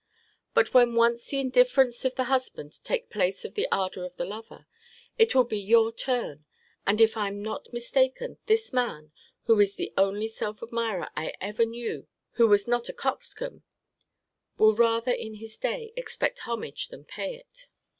But when once the indifference of the husband takes place of the ardour of the lover, it will be your turn: and, if I am not mistaken, this man, who is the only self admirer I ever knew who was not a coxcomb, will rather in his day expect homage than pay it.